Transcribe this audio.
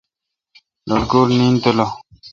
لٹکور نیند تیلو۔